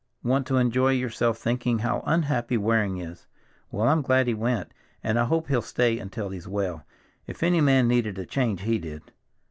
"Want to enjoy yourself thinking how unhappy Waring is. Well, I'm glad he went, and I hope he'll stay until he's well; if any man needed a change, he did."